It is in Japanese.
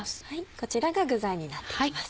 こちらが具材になっていきます。